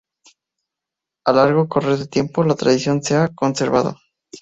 En largo correr del tiempo, la tradición se ha conservado.